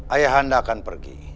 ayah anda akan pergi